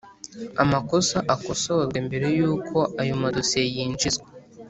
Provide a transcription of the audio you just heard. Amakosa akosorwe mbere y’uko ayo madosiye yinjizwa